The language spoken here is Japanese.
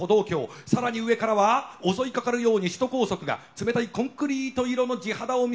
さらに上からは襲いかかるように首都高速が冷たいコンクリート色の地肌を見せつけている。